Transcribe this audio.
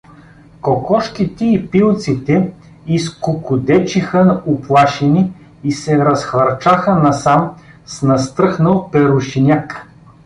Кокошките и пилците изкукудечиха уплашени и се разхвърчаха насам с настръхнал перушиняк.